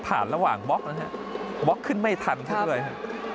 ผ่านระหว่างบล็อกนะครับบล็อกขึ้นไม่ทันครับด้วยค่ะ